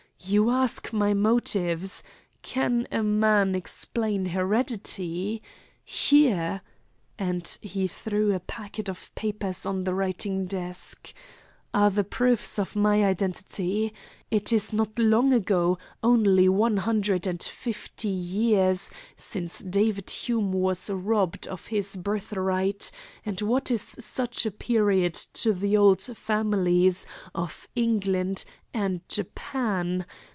You ask my motives. Can a man explain heredity? Here" and he threw a packet of papers on the writing desk "are the proofs of my identity. It is not long ago, only one hundred and fifty years, since David Hume was robbed of his birthright, and what is such a period to the old families of England and Japan?